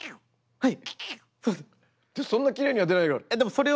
はい。